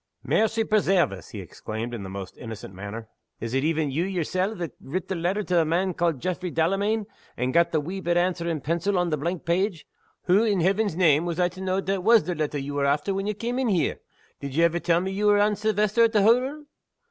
"Mercy presairve us!" he exclaimed, in the most innocent manner. "Is it even You Yersel' that writ the letter to the man ca'ed Jaffray Delamayn, and got the wee bit answer in pencil on the blank page? Hoo, in Heeven's name, was I to know that was the letter ye were after when ye cam' in here? Did ye ever tell me ye were Anne Silvester, at the hottle?